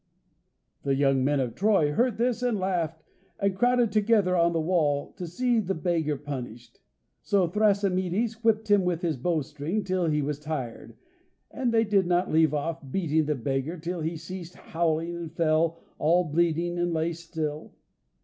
The young men of Troy heard this and laughed, and a crowd gathered on the wall to see the beggar punished. So Thrasymedes whipped him with his bowstring till he was tired, and they did not leave off beating the beggar till he ceased howling and fell, all bleeding, and lay still.